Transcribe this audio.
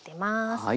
はい。